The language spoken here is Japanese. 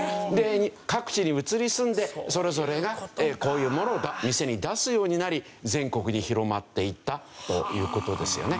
各地に移り住んでそれぞれがこういうものを店に出すようになり全国に広まっていったという事ですよね。